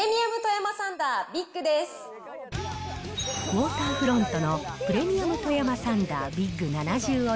ウォーターフロントの、プレミアム富山サンダービッグです。